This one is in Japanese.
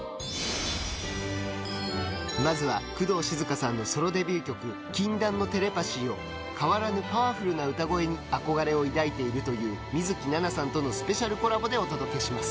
まずは工藤静香さんのソロデビュー曲「禁断のテレパシー」を変わらぬパワフルな歌声に憧れを抱いているという水樹奈々さんとのスペシャルコラボでお届けします。